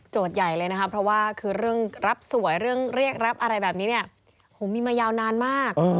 ใหญ่เลยนะคะเพราะว่าคือเรื่องรับสวยเรื่องเรียกรับอะไรแบบนี้เนี่ยโหมีมายาวนานมาก